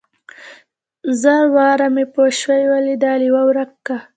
زر واره مې پوشوې ويلي دا ليوه ورک که.